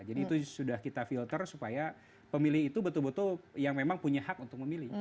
jadi itu sudah kita filter supaya pemilih itu betul betul yang memang punya hak untuk memilih